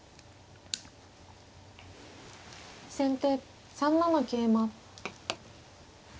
先手３七桂馬。